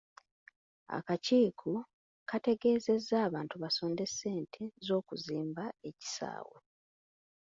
Akakiiko kategeezezza abantu basonde ssente z'okuzimba ekisaawe.